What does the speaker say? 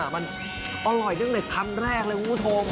มันอร่อยกันในคำแรกเลยอู๋โธม